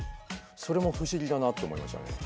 それも不思議だなと思いましたね。